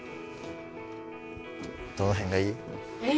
どの辺がいい？ええ？